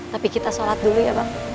tapi kita sholat dulu ya bang